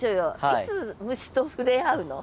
いつ虫と触れ合うの？